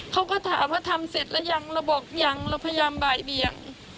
เขาก็ถามว่าทำเสร็จหรือยังเราบอกยังเราพยายามบ่ายเบียง